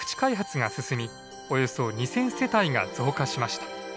およそ２，０００世帯が増加しました。